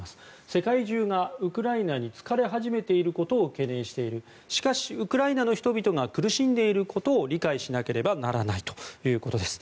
世界中がウクライナに疲れ始めていることを懸念しているしかし、ウクライナの人々が苦しんでいることを理解しなければならないということです。